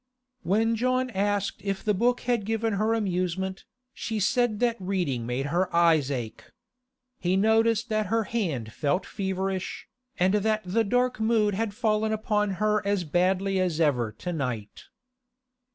When John asked if the book had given her amusement, she said that reading made her eyes ache. He noticed that her hand felt feverish, and that the dark mood had fallen upon her as badly as ever to night.